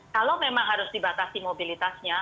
kalau memang harus dibatasi mobilitasnya